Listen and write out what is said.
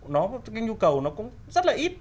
nó cái nhu cầu nó cũng rất là ít